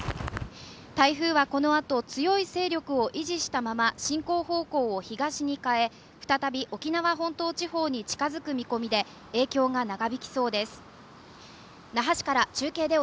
台風はこのあと強い勢力を維持したまま進行方向を東に変え、再び沖縄本島地方に近付く見込みで影響が長引きそうです。